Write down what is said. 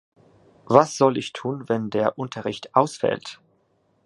Was soll ich tun, wenn der Unterricht ausfällt?